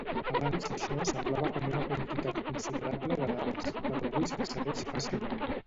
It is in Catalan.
Abans això semblava com una quantitat considerable de dades, però avui s'excedeix fàcilment.